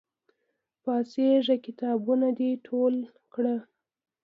پاڅېږه! کتابونه د ټول کړه!